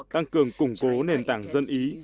tăng cường củng cố nền tảng dân ý